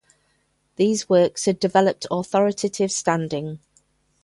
These works had developed authoritative standing.